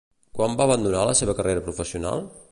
Quan va abandonar la seva carrera professional?